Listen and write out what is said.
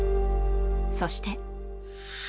そして。